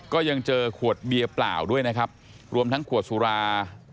ก็ยังเจอขวดเบียร์เปล่าด้วยนะครับรวมทั้งขวดสุรา